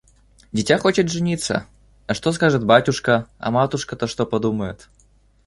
– Дитя хочет жениться! А что скажет батюшка, а матушка-то что подумает?»